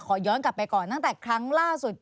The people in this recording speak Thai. ย้อนกลับไปก่อนตั้งแต่ครั้งล่าสุด